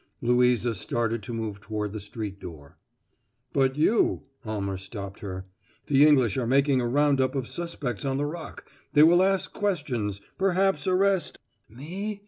Louisa started to move toward the street door. "But you," Almer stopped her; "the English are making a round up of suspects on the Rock. They will ask questions perhaps arrest " "Me?